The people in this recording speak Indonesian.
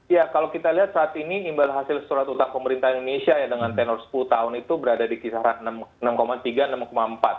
ya kalau kita lihat saat ini imbal hasil surat utang pemerintah indonesia ya dengan tenor sepuluh tahun itu berada di kisaran enam tiga enam empat